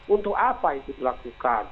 untuk apa itu dilakukan